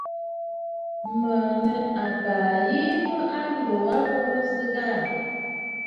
Mə̀ nɨ àbaa yìi mə a lo a aburə nsɨgə aà.